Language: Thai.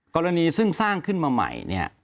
กรณีซึ่งสร้างขึ้นมาใหม่เนี่ย